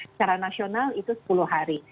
secara nasional itu sepuluh hari